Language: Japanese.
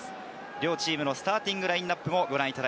両チームのスターティングラインナップです。